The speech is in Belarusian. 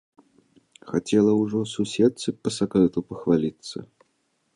Хацела ўжо суседцы па сакрэту пахваліцца.